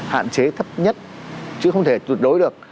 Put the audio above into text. hạn chế thấp nhất chứ không thể tuyệt đối được